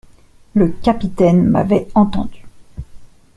Le capitaine m’avait entendu.